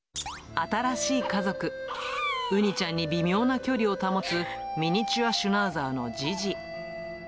新しい家族、うにちゃんに微妙な距離を保つ、ミニチュアシュナウザーのジジ。